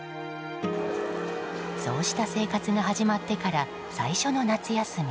そうした生活が始まってから最初の夏休み。